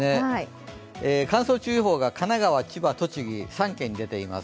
乾燥注意報が神奈川、栃木、千葉３県に出ています。